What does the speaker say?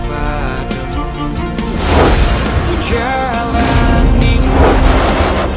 kasian adikku menunggu